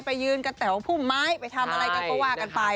ไปยืนกระแต๋วพุ่มไม้ไปทำอะไรกันก็ว่ากันไป